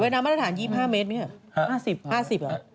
สวัสดีครับแผ่นน้ำมาตรฐาน๒๕เมตรไหมครับ๕๐เหรอ